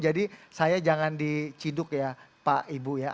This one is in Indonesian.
jadi saya jangan diciduk ya pak ibu ya